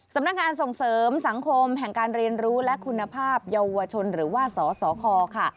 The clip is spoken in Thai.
สำนักงานส่งเสริมสังคมแห่งการเรียนรู้และคุณภาพเยาวชนหรือว่าสสคค่ะ